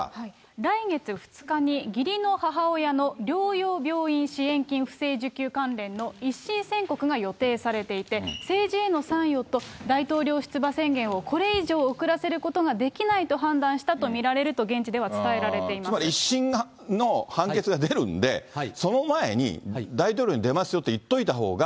来月２日に、義理の母親の療養病院支援金不正受給関連の一審宣告が予定されていて、政治への参与と大統領出馬宣言を、これ以上遅らせることができないと判断したと見られると現地ではつまり、１審の判決が出るんで、その前に大統領に出ますよと言っておいた方が。